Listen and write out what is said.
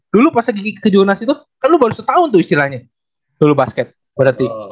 dulu pas lagi kejurnas itu kan lo baru setahun tuh istilahnya dulu basket berarti